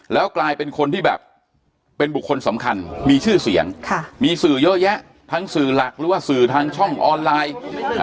แล้วกลายเป็นคนที่แบบเป็นบุคคลสำคัญมีชื่อเสียงมีสื่อเยอะแยะทั้งสื่อหลักหรือว่าสื่อทางช่องออนไลน์